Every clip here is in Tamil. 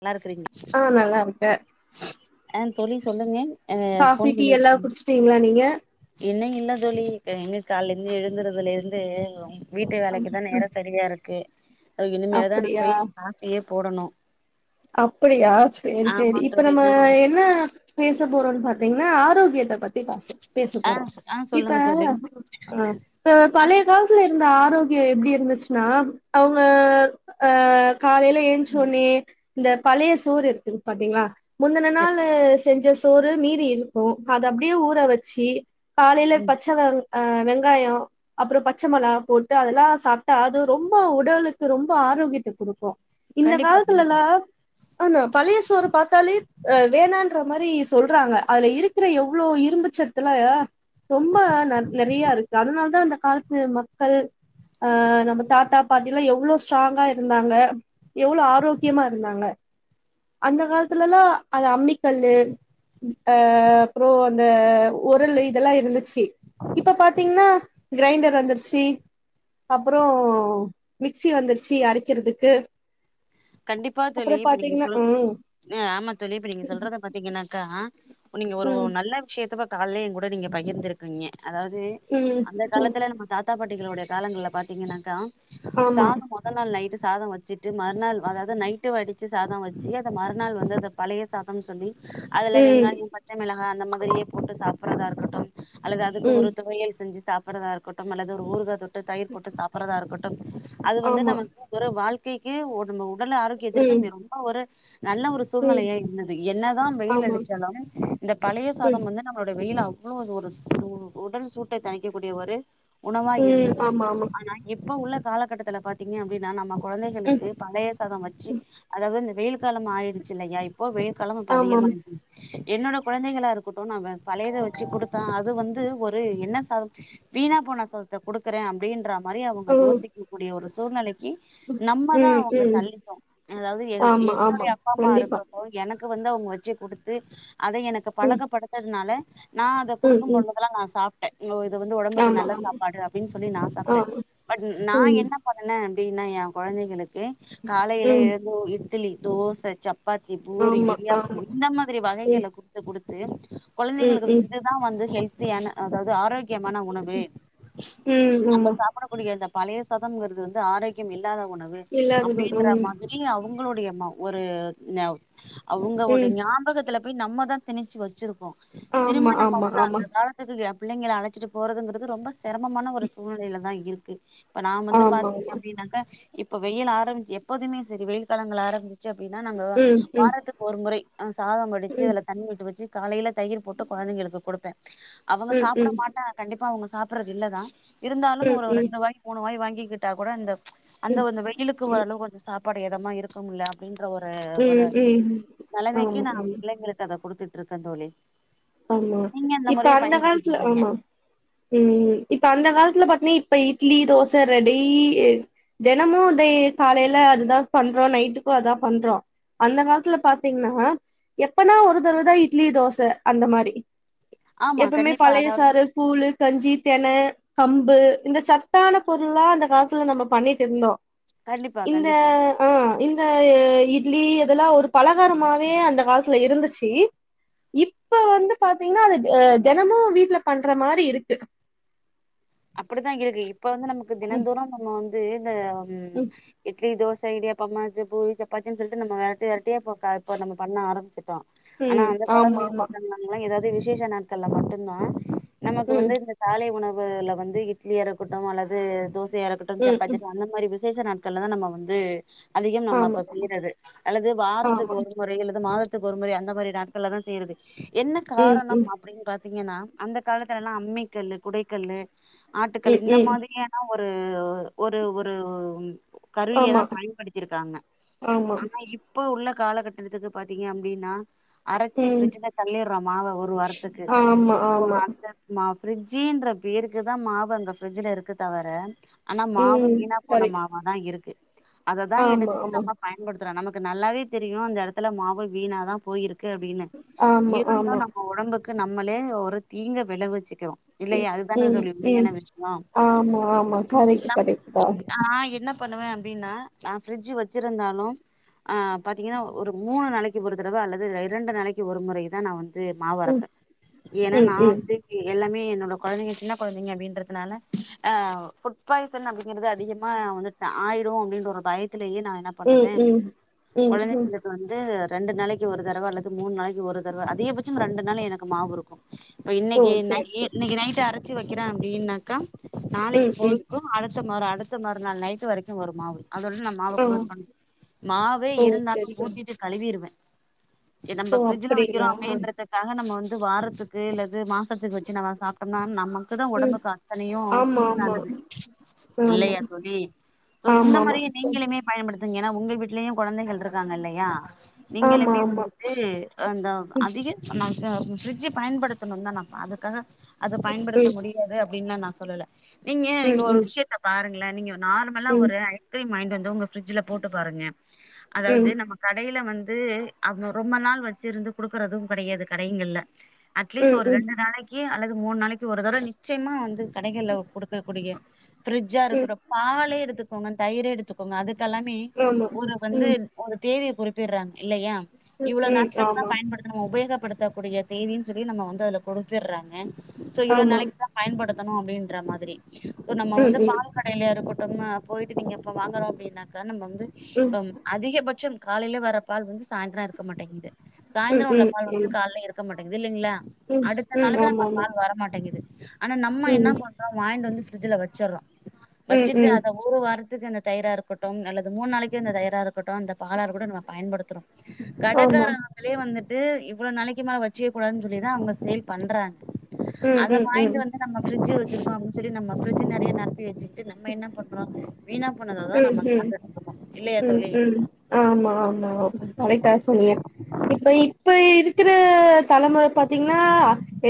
நல்லாருக்குறீங்ளா ஆ நல்லா இருக்கே ஆ தோழி சொல்லுங்க ஆ ஃபோன் பண்ணிருக்கிங்க டீங்ளா நீங்க இன்னு இல்ல தோழி எங்க கால்ல இருந்து எழுந்துறதுல இருந்து ரொம் வீட்டு அ வேலைக்குதா ம் நேரோ செரியா இருக்கு இனிமேல்தா நா போய் அப்படியா காப்பியே போடணு அப்படியா சேரி சேரி ஆமா இப்ப தோழி நம்ம இன்னு என்ன பேச போறோன் பாத்தீங்கன்னா ஆரோக்கியத்த பத்தி பாச பேச ஆ போறோ ஆ இப்ப சொல்லுங்க தோழி ஆ இப்ப ஆ பழைய காலத்துல இருந்த ஆரோக்கியோ எப்டி இருந்துச்சுன்னா அவுங்க ஆ காலைல எழு ம் சொன்னே இந்த பழைய சோறு இருக்குங் பாத்தீங்களா முந்தன நாளு செஞ்ச சோறு மீதி இருக்கு அத அப்டியே ஊற வெச்சி காலைல பச்ச வாட ஆ வெங்காயோ அப்பறோ பச்ச மொளா போட்டு அதெல்லா சாப்ட்டா அது ரொம்ப உடலுக்கு ரொம்ப ஆரோக்கியத்த குடுக்கு இந்த கண்டிப்பா கண்டிப்பா காலத்துலல்லா ஆனா பழைய சோறு பாத்தாலே அ வேணான்ற மாரி சொல்றாங்க அதுல இருக்குற எவ்ளோ இரும்புச் சத்துலா ரொம்ப ந நறையா இருக்கு அதனாலதா அந்த காலத்துல மக்கள் ஆ நம்ப தாத்தா பாட்டில்லா எவ்ளோ ஸ்ட்ராங்கா இருந்தாங்க எவ்ளோ ஆரோக்கியமா இருந்தாங்க அந்த காலத்துலல்லா அது அம்மிக்கல்லு அ அப்றோ அந்த உருளு இதெல்லா இருந்துச்சி இப்ப பாத்தீங்னா கிரைண்டர் வந்துருச்சி அப்றோ மிக்ஸி வந்துருச்சி அரைக்கிறதுக்கு கண்டிப்பா அப்றோ தோழி இப்ப நீங்க பாத்தீங்கன்னா சொ ம் அ ஆமா தோழி இப்ப நீங்க சொல்றத பாத்தீங்கனாக்கா இப்ப நீங்க ஒரு ம் நல்ல விஷயத்த கால்லயே எ கூட நீங்க பகிர்ந்துருக்கீங்க அதாவ்து ம் அந்த ம் காலத்துல நம்ம தாத்தா பாட்டிகளோட காலங்கள்ல பாத்தீங்கன்னாக்கா ஆமா சாதம் மொத் மொதநாள் நைட்டு சாதோ வெச்சுட்டு மறுநாள் அதாவுது நைட்டு வடிச்ச சாதோ வெச்சு அத மறுநாள் வந்து அத பழைய சாதம்னு சொல்லி அதுல ம் வெங்காயு பச்ச மிளகா அந்த மாதிரியே போட்டு சாப்பறதா இருக்கட்டு அல்லது அதுக்கு ம் ஒரு துவயல் செஞ்சு சாப்பறதா இருக்கட்டு அல்லது ஒரு ஊறுக தொட்டு தயிர் போட்டு சாப்பறதா இருக்கட் ட்டு அது வந்து ஆமா நமக்கு ஒரு வாழ்க்கைக்கே ஒரு உடல் ஆரோக்கியத்திற்கு ம் மிரு ஒரு நல்லா ஒரு ம் சூழ்நிலையா இருந்தது என்னதா வெயில் ஆமா அடிச்சாலுமே இந்த பழைய ம் சாதம் வந்து நம்பளோட வெயில்ல அவ்ளோ ஒரு சூ உடல் சூட்ட தணிக்கக்கூடிய ஒரு உணவா இருந்த ம் ஆமா ஆமா ஆனா இப்ப உள்ள காலகட்டத்துல பாத்தீங்க அப்டின்னா நம்ம ம் கொழந்தைகளுக்கு பழைய சாதோ வெச்சி அதாவுது இந்த வெயில் காலம் ஆயிடுச்சி இல்லயா இப்போ வெயில் காலம்ப ஆமாம் அதிகமாயி என்னோட குழந்தைகளா இருக்கட்டோ நா பழைய வெச்சு குடுத்த அது வந்து ஒரு என்ன சாதோ வீணா போனா சோத்த குடுக்குற அப்டின்றாங்க மரியாத அவுங்க யோசிக்க கூடிய ஒரு சூழ்நிலைக்கி ம் நம்மதா ம் அவுங்க ம் தள்ளிட்டோ அதாவுது எ ஆமா ஆமா என்னுடைய அப்பா அம்மா கண்டிப்பா இருக்கறப்ப எனக்கு வந்து அவுங்க வெச்சு குடுத்து அத எனக்கு ம் பழகப்படுத்தந்னால நா அத ம் குடுக்கும் ம் போதெல்லா நா சாப்ட்ட ஓ இது வந்து உடம்புக்கு ஆமா நல்ல ஆமா சாப்பாடு அப்டின் சொல்லி நா சாப்ட்ட ஆமா பட் நா ம் என்ன பண்ணஅப்டின்னா ய குழந்தைகளுக்கு காலையில ம் எழுந்து இட்டிலி தோச சப் பாத்தி பூரி ஆமா இடியாபோ ஆமா இந்த மாதிரி ம் வகைகள குடுத்து குடுத்து ம் ம் கொழந்தைகளுக்கு இதுதா வந்து ஹெல்த்தியான அதாவுது ஆரோக்கியமான உணவு ம் ஆமா புதிய இந்த பழைய சாதம்ங்குறது வந்து ஆரோக்கியம் இல்லாத உணவு அப் இல்லாதது ம் இதயே அவுங்களோடய மா ஒரு நா அவுங்க உடய ம் ஞாபகத்துல போய் நம்ம தா திணிச்சி வெச்சிருக்கோ ஆமா திரும்ப நம்ம ஆமா வந்து ஆமா அந்த காலத் இத சொல்லி எ பிள்ளைங்கள அழைச்சிட்டு போறதுங்குறது ரொம்ப சிரமமான ஒரு சூழ்நிலேல்ல தா இருக்கு இப்ப நா வந்து ஆமா பாத்தீக ஆமா அப்டின்னாக்க இப்ப வெயில் ஆரம்பிச்சு எப்போதுமே செரி வெயில் காலங்கள் ஆரம்பி ச்சு அப்பின்னா நாங்க ம் ம் வாரத்துக்கு ஒரு முறை சாதம் ம் வடிச்சி ம் அதுல தண்ணி விட்டு வச்சி காலைல தயிர் போட்டு குழந்தைங்களுக்கு கொடுப்பே அவ்ங்க ம் ம் ம் சாப்பிட மாட்டா கண்டிப்பா அவ்ங்க சாப்பிறது இல்லதா இருந்தாலும் ஒரு ரெண்டு ம் வாய் மூணு வாய் வாங்கிக்கிட்டா கூட இந்த அந்த கொஞ்சோ வெயிலுக்கு ஒரளவுக்கு ம் வந்து கொஞ்ச சாப்பாடு எதமா இருக் போம்முல்ல அப்டின்ற ஒரு ஒரு ம் ம் நெலைமைக்கு ஆமா நாம் ஆமா பிள்ளைங்களுக் ட்றத குடுத்துட்ருக்கே தோழி ஆமா நீங்க இப்ப முறைய அந்த பயன்படுத்திட்டு காலத்துல இருக்கீங்க ஆமா ம் இப்ப அந்த காலத்துல பாத்தீன்னா இப்ப இட்லி தோச ரெடி தெனமு காலைல அதுதா பண்றோ நைட்டுக்கு அதா பண்றோ அந்த காலத்துல பாத்தீங்கன்னா எப்பனா ஒரு தடவ தா இட்லி தோச அந்த மாரி ஆமா எப்பமே கண்டிப்பா பழைய அதாவது சாறு கூழு கஞ்சி தெண கம்பு இந்த சத்தான பொருள்ல்லா அந்த காலத்துல நம்ம பண்ணிட்டு இருந்தோ கண்டிப்பா இந்த கண்டிப்பா ஆ இந்த இட்லி இதெல்லா ஒரு பலகாரமாவே அந்த காலத்துல இருந்துச்சி இப்ப வந்து பாத்தீங்ன்னா அது அ தெனமு வீட்ல பண்ற மாரி இருக்கு அப்டித்தா இருக்கு இப்ப வந்து நமக்கு தினம் ம் தோரும் நம்ம வந்து இந்த ம் இட்லி தோச இடியாப்பம்மாது பூரி சப்பாத்தின்னு சொல்லிட்டு நம்ம விரட்டி விரட்டியா போ இப்ப நம்ம பண்ண ஆரம்பிச்சிடோ ஆனா ம் அந்த ஆமா காலங்கல ஆமா பாத்திகனா இல்ல ஏதாவுது விசேஷ நாட்கள்ல மட்டு தா நமக்கு ம் வந்து இந்த காலை உணவுல வந்து இட்லி இருக்கட்டு அல்லது தோசையா இருக்கட்டு ம் ம் சப்பாத்திகு கானு இந்த மாரி விசேஷ நாட்கள தான் நம்ம வந்து அதிகம் நம்ப ஆமா அப்ப செய்றது அல்லது வாரத்துக்கு ஆமா ஒரு முறை அல்லது மாத வாரத்துக்கு ஒருமுறை அந்த மாரி நாட்கள் தான் செய்யது என்ன ம் காரணம் ம் அப்டின் பார்த்த பத்தீங்கன்னா அந்த காலத்துலலாம் அம்மி கல்லு குடைக்கல்லு ஆட்டுக்கள்ளு ம் இந்த ம் மாதிரியனா ஒரு ஒரு ஒரு கருவிய ஆமா தான் பயன்படுத்திருக்காங்க ஆமா ஆனா இப் இப்ப உள்ள காலகட்டணத்துக்கு பாத்தீங்க அப்டின்னா அரைச்சி ம் பிரி்ஜ்ல தள்ளிடுறோம் மாவ ஒரு வாரத்துக்கு ஆமா ஆமா அந்த மா ஃபிரிஜின்ற பேருக்குதான் மாவு அங்க ஃபரிஜ்ல இருக்கு தவர ஆனா மாவு ம் வீணா போன கரெக்ட் மாவாதான் இருக்கு அததான் ஆமா எடுத்து ஆமா நம்ம பயன்படுத்துறோம் நமக்கு நல்லாவே தெரியும் அந்த இடத்துல மாவு வீணா தான் போயிருக் க்கு அப்டின்னு ஆமா இருந்தும் ஆமா நம்ம உடம்புக்கு நம்மளே ஒரு தீங்க வெளவெச்சி க்கிறேம் இல்லையா ம் அது ம் ம் ஆமா ஆமா கரெக்ட் கரெக்ட் தான் நான் என்ன பண்ணுவேன் அப்டின்னா நான் ஃபிரிடட்ஜ் வெச்சிருந்தாலும் ஆ பாத்தீங்கன்னா ஒரு மூணு நாளைக்கு ஒரு தடவ அல்லது இரண்டு நாளைக்கு ஒரு முறை தான் நான் வந்து மாவு ம் அரப்பேன் ஏன்னா ம் நான் ம் வந்து எல்லாமே என்னோட கொழந்தைங்க சின்ன கொழந்தைங்க அப்டின்றதுனால ஹ் ஃபுட் பாய்சன் அப்டிங்கிறது அதிகமா ஆயிரும் அப்டின்ற ஒரு பயத்திலேயே நான் என்ன ம் பண்ணுவே ம் ம் ம் கொழந்தைங்களுக்கு வந்து ரெண்டு நாளைக்கு ஒரு தடவ அல்லது மூணு நாளைக்கு ஒரு தடவ அதீகபட்சம் ரெண்டு நாளைக்கு எனக்கு மாவு இருக்கும் இப்ப ஓ இன்னைக்கு நை சேரி சேரி இன்னைக்கு நைட்டு அரச்சி வைக்கிறேன் அப்டின்னாக்கா ம் நாளைக்கு ம் பொழுக்கும் அடுத்த மறு அடுத்த மறுநாள் நைட்டு வரைக்கும் வரும் மாவு அதோட நம் மாவ ஆ கோளோஸ் பண்ண மாவே ஓ சரி இருந்தாலும் சரி ஊத்திட்டு கழுவிறுவேன் ஏ நம்ப ஓ ஃபிரிட்ஜில அப்டிங்களா வெக்கிறோம் அப்டின்றது க்காக நம்ம வந்து வாரத்துக்குல்லது மாசத்துக்கு வெச்சி நம்ம சாப்ட்டோம்னா அதுக்குதான் ம் உடம்புக்கு அத்தனையும் ஆமா ஆமா தீங்கானது ஆமா இல்லையா தோழி சோஇந்த ஆமா ஆமா மாரியே நீங்களுமே பயன்படுத்துங்க ஏன்னா உங்க வீட்லயும் கொழந்தைகள் இருக்காங்க இல்லையா ஆமா நீங்களுமே ஆமா வந்துட்டு அந்த அதிக நம்ப அ ஃப்ரிட்ஜ பயன்படுத்தணும்னு தான் நான் அதுக்காக அது ம் முடியாது அப்டின்னுலா நான் சொல்லல நீங்க ம் நீங்க ஒரு ம் விஷயத்த பாருங்கள நீங்க நார்மலா ம் ஒரு ஐ ஐஸ்கீரிம் வாங்கிட்டு வந்து உங்க ஃபிரிட்ஜ்ல போட்டு பாருங்க ம் அதாவது நம்ம கடையில வந்து அவுங்க ரொம்ப நாள் வச்சுிருந்து குடுக்குறதும் கடையாது கடைங்கள்ல அட்லீஸ்ட் ம் ஒரு ம் ரெண்டு நாளைக்கு அல்லது மூணு நாளைக்கு ஒரு தடவ நிச்சயமா வந்து கடைகள்ல குடுக்க கூடிய பிரரிட்ஜா ம் இருக்கட்டும் பாலே எடுத்துக்கோங்க தயிர் எடுத்து க்கோங்க அதுக்கெல்லாமே ஆமா ஒரு வந்து ம் ஒரு தேதிய குறிப்பிடுறாங்க இல்லயா ம் இவ்வளோ ம் நாட்கள் தான் ஆமா பயன்படுத்த நம்ம உபயோகப்படுத்தக்க கூடிய தேதின்னு சொல்லி நம்ம வந்து அதுல கொடுத்துடுறாங்க சோ இவ்ளவு ஆமா நைக்கு பயன்படுத்தணும் அப்டின்ற மாதிரி நம்ம ம் வந்து ப ம் கடையிலய இருக்கட்டோம்னா போயிட்டு நீங்கப்ப வாங்குறோம் அப்டின்னாக்கா நம்ம வந்து ம் இப்ப அதிகபட்சம் காலையில வர பால் வந்து சாய்ந்திரம் இருக்க மாட்டேங்குது ம் சாயந்தரம் உள்ள ம் பால் வந்து ம் காலையில இரு இருக்க மாட்டேங்குது இல்லீங்ளா ம் அடுத்த ம் நாள்க்கு நம்ம ஆமாமா பால் வர மாட்டேங்குது ஆனா நம்ம ம் என்ன பண் வாங்கிட்டு வந்து ஃபிரிட்ஜ்ல வெச்சுறோம் ம் வெச்சுட்டு ம் அத ஒரு வாரத்துக்கு இந்த தயிரா இருக்கட்டும் அல்லது மூணு நாளைக்கு இந்த தயிர்ரா இருக்கட்டும் அந்த பாலா இருக்கட்டும் நம்ம பயன்படுத்துறோம் ஆமா கடகாரன் நாலே வந்துட்டு இவ்ளோ நாளைக்கி மேல வெச்சிக் கூடாதுன் சொல்லி தா அவுங்க சேல் பண்றாங்க ம் அத ம் ம் வாங்கிட்டு வந்து நம்ம ஃப்ரி்ஜ்ஜி வெச்சிருக்கோ அப்டின் சொல்லி நம்ம ஃப்ரிஜ்ஜி நெறய நெரப்பி வெச்சிகி ட்டு நம்ம என்ன பண்றோ வீணா போணத தா ம் நம்ம ம் சாப்ட்டுட் ம் ம் ஆமா ஆமா ஆமா கரெக்ட்டா சொன்ன இப்ப இப்ப இருக்குற தலமுற பாத்திங்ன்னா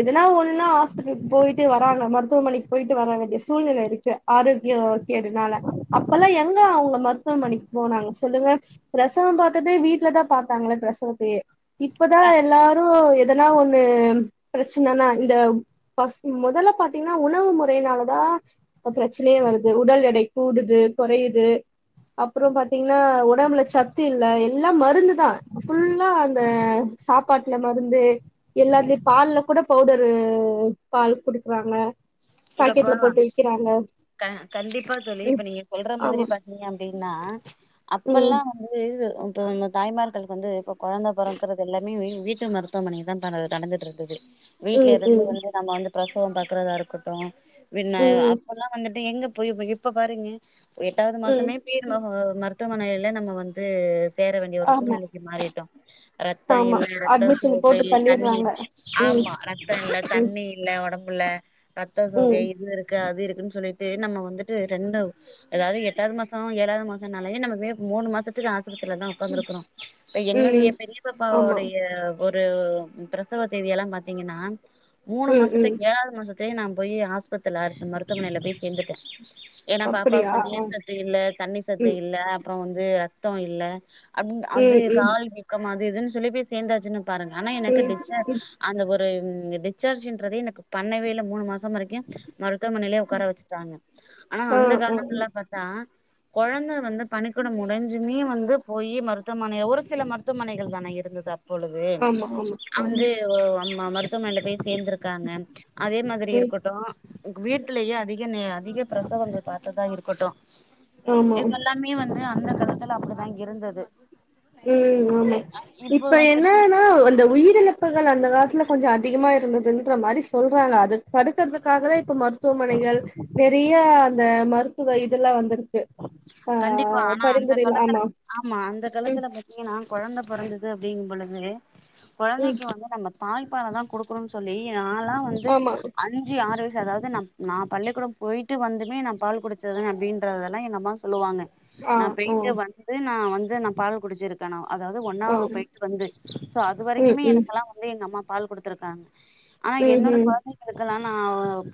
எதனா ஒண்ணுன்னா ஹாஸ்பிட்டல்க்கு போய்ட்டு வராங்க மருத்துவமனைக் போய்ட்டு வர வேண்டிய சூழ்நில இருக்கு ஆரோக்யோ கேடுனால அப்பல்லா எங்க அவுங்க மருத்துவமனைக் போனாங்க சொல்லுங்க ப்ரசவம் பாத்ததே வீட்லதா பத்தாங்ளே ப்ரசவத்தயே இப்பதா க எல்லாரு எதனா ஒண்ணு ப்ரச்சனனா இந்த ஃபஸ் மொதல்ல பாத்திங்ன்னா உணவு முறைனாலதா ப்ரச்னயே வருது உடல் எடை கூடுது கொறையுது அப்றோ பாத்திங்ன்னா ஒடம்புல சத்து இல்ல எல்லா மருந்து தா ஃபுல்லா அந்த சாப்பாட்ல மருந்தே எல்லாத்லயு பால்ல கூட பவுடரு பால் குடிக்றாங்க இங்கப் போலா கண்டிப்பா தோழி ம் இப்ப நீங்க சொல்ற மாதிரி ஆமா பாத் ங்க அப்டின்னா ம் அப்பல்லாம் வந்து இது ஒன்னு தாய்மார்களுக் வந்து கொழந்த பொறக்குறது எல்லாமே வி வீட்டு மருத்துவமன தா பா நடந்துட்ருந்துது ம் வீட்லேருந்து ம் வந்து நம்ம வந்து பிரசவம் பாக்குறதா இருக்கட்டும் [unintelligible] ம் அப்பல்லா வந்துட்டு எங்க போய்ர்ப்ப இப்ப பாருங்க எட்டாவது ம் மாசமே பீர் நோஹோ மருத்துவமனைய்ல நம்ம வந்து சேர வேண்டிய ஒரு ஆமா சூழ்நிலைக்கு மாறிட்டோ ரத்தோ ஆமா இல்ல ரத்தோ அட்மிஷன் போட்டு தண்ணி தள்ளிடுறாங்க இல் ம் ஆமா ரத்த இல்ல ம் தண்ணி இல் இல்ல ஒடம்புல ரத்த சோகை ம் இது இருக்கு அது இருக்குன் சொல்லிட்டு நம்ம வந்துட்டு ரெண்டு அதாது எட்டாவது மாசோ ஏழாவது மாசோம்னாலே நம்ம மூணு மாசத்துக்கு ஆஸ்பித்ரில இர்ந்தோ உக்காந்துருக்கிறோ இப்ப என்னுடிய ம் பெரிய பாப்பா ஆமா உடைய ஒரு பிரசவ தேதிய எல்லா பாத்திங்கன்னா மூணு ம் ம் மாசத்துக்கு ஏழாவது மாசத் கே நா போயி ஆஸ்பத்தர்ல மருத்துவமனைல போய் சேர்துட்டே ஏனா அப்படியா பாப்பாக்கு ஆ நீர் சத்து இல்ல தண்ணி சத்து ம் இல்ல அப்றோ வந்து ரத்தோ இல்ல அப்புன் அது ம் ம் கால் வீக்கம் அது இதுன் சொல்லி போய் சேந்தாச்சுன்னு பாருங்க ஆனா எனக்கு ம் டி ம் அந்த ஒரு டிச்சார்ஜின்றதே எனக்கு பண்ணவேல மூணு மாசோ வரைக்கும் மருத்துவமனைலே உக்கார வெச்சுட்டாங்க ஆனா ஆ அந்த ஆ காலங்கள்ல பாத்தா கொழந்த வந்து பனிக்கூடம் உடஞ்சுமே வந்து போயி மருத்துவமனைல ஒரு சில மருத்துவமனைகள் தான இருந்தது அப்ப பொழுது ஆமா ஆமா ஆமா அந்து அம் அம் மருத்துவமனைல போய் சேந்துருக்காங்க அதே ம் இருக்கட்டோ உங்க வீட்டுலயே அதிக அதிக பிரசவங்கள் பாத்ததா இருக்கட்டோ ஆமா இது எல்லாமே வந்து அந்த காலத்துல அப்டிதா இருந்தது ம் ஆமா இப்போ இப்ப வந்துட்டு என்னன்னா அந்த உயிரிழப் ப்புகள் அந்த காலத்ல கொஞ்சோ அதிகமா இருந்துதுன்ற மாரி சொல்றாங்க அது தடுக்கர்துக்காகதா இப்ப மருத்துவமனைகள் நெறிய அந்த மருத்துவ இதல்லா வந்துருக் கு கண்டிப்பா ஆ ஆனா அந்த பரிந்துரைல காலத்துல ஆமா ஆமா அந்த ம் காலத்துல பாத்திங்கனா கொழந்த பொறந்தது அப்டிங்கும் பொழுது ம் கொழந்தைக்கு வந்து நம்ம தாய் பால தா குடுக்குணுன் சொல்லி நாலா வந்து ஆமா அன் அஞ்சு ஆறு வய்சு அதாவது ந நா பள்ளிக்கூடம் போய்ட்டு வந்துமே நா பால் குடிச்சதுனு அப்டின்றத லா எங்கம்மா சொல்லுவாங்க ஆ நா ஆ போய்ட்டு வந்து நா வந்து நா பால் குடிச்சிருக் கனா அதாது ஆ ஒன்னாவது போய்ட்டு வந்து சோ அது ம் வரைக்குமே ம் எனக்கெல்லா வ எங்க அம்மா பால் கொடுத்திருக்காங்க ஆனா ம் என்னோட ம் கொழந்தை இதுக்கெல்லா நா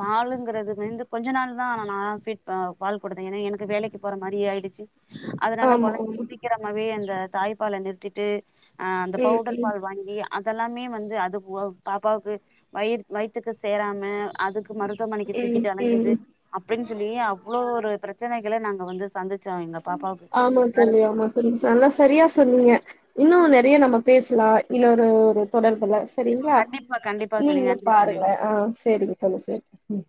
பாலுங்கிறது வந்து கொஞ்ச நாள் தா நா பால் கொடுத்தே ஏ எனக் வேலைக்கு போற மாரி ஆயிடுச்சு அதனால ஆமா கொழந்த ஆமா சீக்கிரம் சும்மாவே அந்த தாய்ப்பால நிறுத்திட்டு ஆ அந்த ம் பவுடர் ம் பால் வாங்கி அதெல்லாமே வந்து அது பாப்பாவுக்கு வயிற் வயித்துக்கு சேராம அதுக் மருத்துவமனைக்கு ம் தூக்கிட்டு அலைஞ்சது ம் அப்டின் சொல்லி அவ்ளோ ஒரு பிரச்சனைகள நாங்க வந்து வந்திச்சா எங்க பாப்பா ஆமா தோழி ஆமா நல்லா சரியா சொன்னீங்க இன்னு நிறைய நம்ம பேசலா இன்னொரு ஒரு தொடர்புல சரிங்ளா கண்டிப்பா கண்டிப்பா தோழி நீங்களு நன்றி தோழி பாருங்க ஆ சரிங்க தோழி சரி